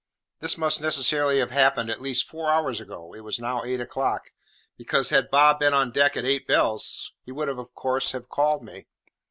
This must necessarily have happened at least four hours ago (it was now eight o'clock), because, had Bob been on deck at eight bells, he would, of course, have called me.